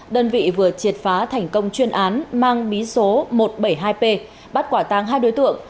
đơn vị vừa triệt phá thành công chuyên án mang bí số một trăm bảy mươi hai p bắt quả tàng hai đối tượng